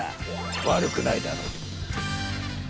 悪くないだろう。